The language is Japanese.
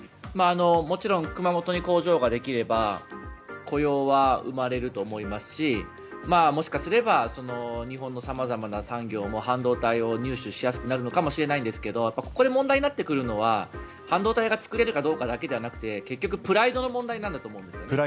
もちろん熊本に工場ができれば雇用は生まれると思いますしもしかすれば日本の様々な産業も半導体を入手しやすくなるかもしれないんですがここで問題になってくるのは半導体が作れるかどうかだけじゃなくて結局プライドの問題なんだと思うんですよね。